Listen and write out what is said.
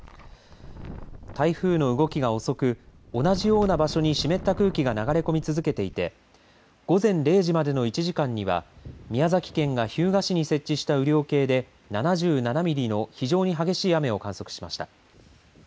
台風の動きが遅く同じような場所に湿った空気が流れ込み続けていて午前０時までの１時間には宮崎県が日向市に設置した雨量計で７７ミリの非常に激しい雨を観測しました。